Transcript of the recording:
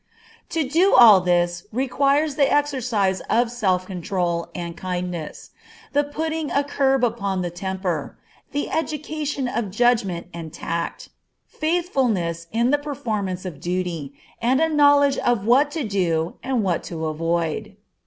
To do all this requires the exercise of self control and kindness; the putting a curb upon the temper; the education of judgment and tact; faithfulness in the performance of duty, and a knowledge of what to do and what to avoid.